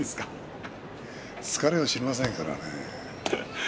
疲れを知りませんからね。